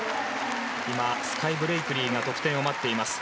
今、スカイ・ブレイクリーが得点を待っています。